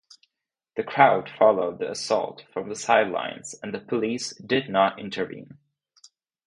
The crowd followed the assault from the sidelines and the police did not intervene.